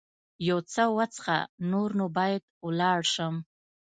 یو څه وڅښه، نور نو باید ولاړ شم.